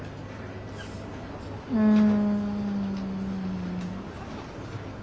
うん。